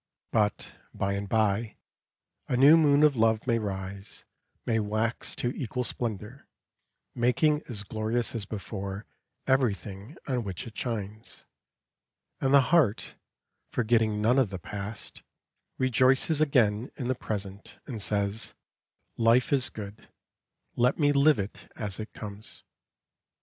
But, by and by, a new moon of love may rise, may wax to equal splendour, making as glorious as before everything on which it shines; and the heart, forgetting none of the past, rejoices again in the present, and says, "Life is good; let me live it as it comes."